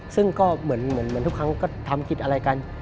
ซึ่งก็เหมือนทุกครั้งก็ทำคิดอะไรกัน